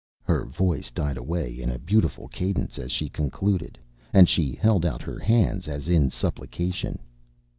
Her voice died away in a beautiful cadence as she concluded, and she held out her hands as in supplication.